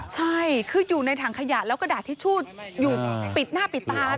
ใช่คืออยู่ในถังขยะแล้วกระดาษทิชชู่อยู่ปิดหน้าปิดตา